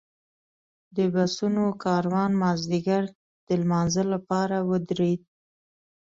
د بسونو کاروان مازیګر د لمانځه لپاره ودرېد.